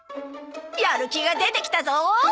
やる気が出てきたぞ！